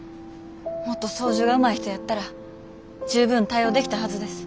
もっと操縦がうまい人やったら十分対応できたはずです。